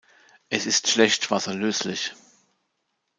Es ist schlecht wasserlöslich.